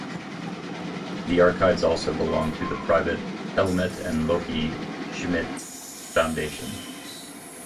The archives also belong to the private "Helmut and Loki Schmidt Foundation".